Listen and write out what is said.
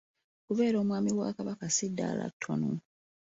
Okubeera Omwami wa Kabaka ssi ddaala ttono.